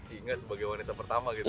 inge sebagai wanita pertama gitu ya